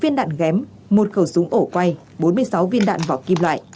một mươi một viên đạn ghém một khẩu súng ổ quay bốn mươi sáu viên đạn vỏ kim loại